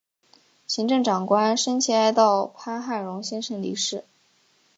行政长官深切哀悼潘汉荣先生离世